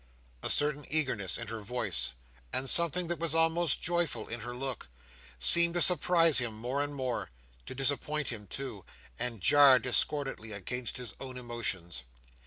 A certain eagerness in her voice, and something that was almost joyful in her look, seemed to surprise him more and more; to disappoint him too, and jar discordantly against his own emotions.